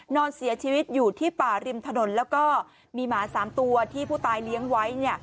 นอนเสียชีวิตอยู่ที่ป่าริมถนนแล้วก็มีหมา๓ตัวที่ผู้ตายเลี้ยงไว้